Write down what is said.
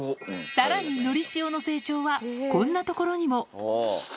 さらに、のりしおの成長は、こんなところにも。